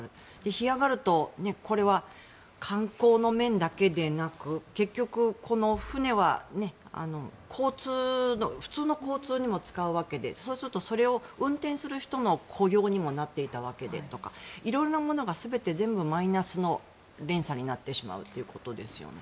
干上がるとこれは観光の面だけでなく結局、船は普通の交通にも使うわけでそうするとそれを運転する人の雇用にもなっていたわけでとか色々なものがすべて全部マイナスの連鎖になってしまうということですよね。